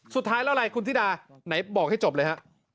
สุดท้ายเล่าอะไรคุณธิดายังไงบอกให้จบเลย